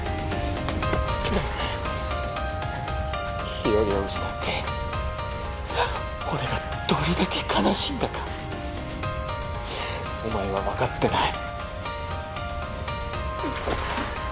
日和を失って俺がどれだけ悲しんだかお前はわかってない。